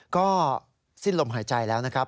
ก็สิ้นลมหายใจแล้วนะครับ